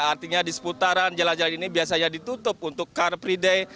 artinya di seputaran jalan jalan ini biasanya ditutup untuk karpriday